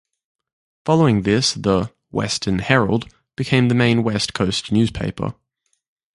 Following this the "Western Herald" became the main west coast newspaper.